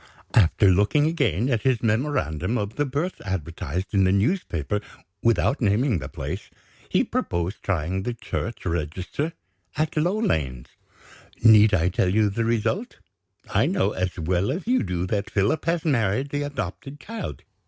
After looking again at his memorandum of the birth advertised in the newspaper without naming the place he proposed trying the church register at Low Lanes. Need I tell you the result? I know, as well as you do, that Philip has married the adopted child.